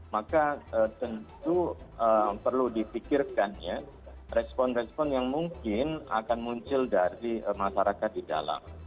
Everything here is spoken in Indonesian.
maka tentu perlu dipikirkan ya respon respon yang mungkin akan muncul dari masyarakat di dalam